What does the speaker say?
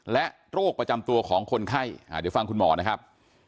และโรคประจำตัวของคนไข้เดี๋ยวฟังคุณหมอนะครับ